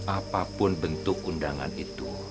apapun bentuk undangan itu